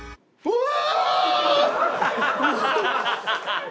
うわ！